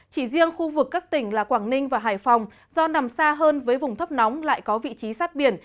chỉ riêng khu vực các tỉnh là quảng ninh và hải phòng do nằm xa hơn với vùng thấp nóng lại có vị trí sát biển